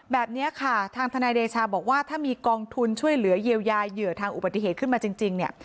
แบบนี้ค่ะทางทนายเดชาบอกว่าถ้ามีกองทุนช่วยเหลือเยียวยาเหยื่อทางอุบัติเหตุขึ้นมาจริงเนี่ย